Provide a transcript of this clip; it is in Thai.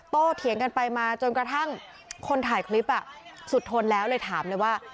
เถียงกันไปมาจนกระทั่งคนถ่ายคลิปสุดทนแล้วเลยถามเลยว่า